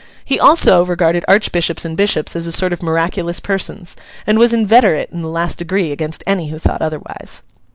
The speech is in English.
He also regarded archbishops and bishops as a sort of miraculous persons, and was inveterate in the last degree against any who thought otherwise.